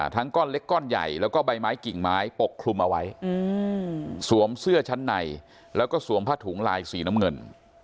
ก้อนเล็กก้อนใหญ่แล้วก็ใบไม้กิ่งไม้ปกคลุมเอาไว้สวมเสื้อชั้นในแล้วก็สวมผ้าถุงลายสีน้ำเงิน